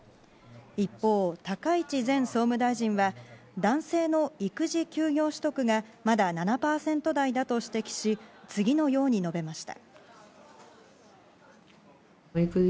一方、高市前総務大臣は男性の育児休業取得がまだ７％台だと指摘し次のように述べました。